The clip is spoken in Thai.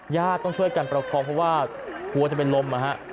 ญาติต้องช่วยกันประกอบเพราะว่ากลัวจะล้ม